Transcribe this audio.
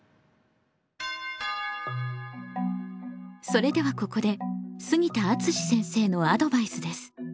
それではここで杉田敦先生のアドバイスです。